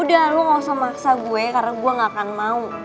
udah lo gausah maksa gue karena gue ga akan mau